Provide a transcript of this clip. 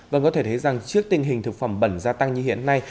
vâng có thể thấy rằng trước tình hình thực phẩm bẩn gia tăng như hiện nay